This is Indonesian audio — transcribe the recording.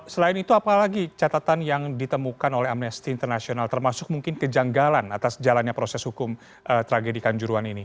selain itu apalagi catatan yang ditemukan oleh amnesty international termasuk mungkin kejanggalan atas jalannya proses hukum tragedi kanjuruan ini